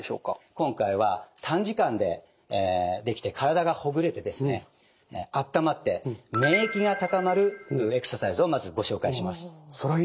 今回は短時間でできて体がほぐれてあったまって免疫が高まるエクササイズをまずご紹介します。